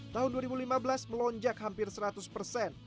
tahun dua ribu lima belas melonjak hampir seratus persen